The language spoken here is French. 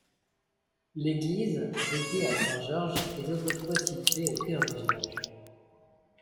L'église, dédiée à saint Georges, est autrefois située au cœur du village.